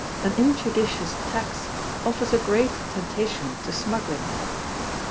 An injudicious tax offers a great temptation to smuggling.